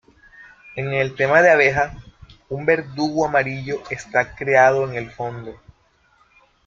En el tema de abeja, un verdugo amarillo está creado en el fondo.